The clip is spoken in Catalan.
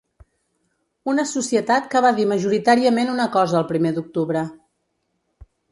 Una societat que va dir majoritàriament una cosa el primer d’octubre.